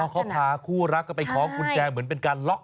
เขาพาคู่รักก็ไปคล้องกุญแจเหมือนเป็นการล็อก